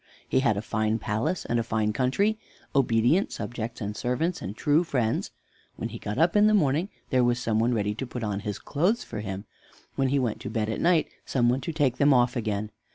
He had a fine palace and a fine country, obedient subjects and servants, and true friends. When he got up in the morning, there was some one ready to put on his clothes for him; when he went to bed at night, some one to take them off again.